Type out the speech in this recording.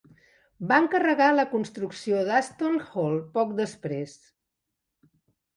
Va encarregar la construcció d'Aston Hall poc després.